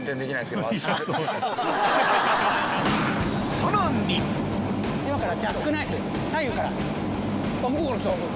さらに今から。